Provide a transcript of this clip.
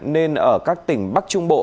nên ở các tỉnh bắc trung bộ